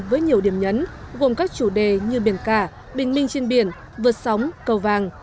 với nhiều điểm nhấn gồm các chủ đề như biển cả bình minh trên biển vượt sóng cầu vàng